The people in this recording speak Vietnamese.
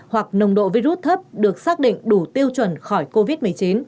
hoặc nồng độ virus thấp được xác định đủ tiêu chuẩn khỏi covid một mươi chín